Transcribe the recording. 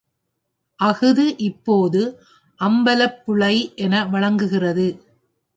அஃது இப்போது அம்பலப்புழை என வழங்குகிறது.